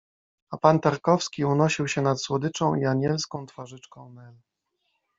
A pan Tarkowski unosił sie nad słodyczą i anielską twarzyczką Nel.